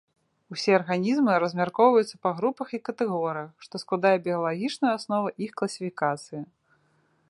Усе арганізмы размяркоўваюцца па групах і катэгорыях, што складае біялагічную аснову іх класіфікацыі.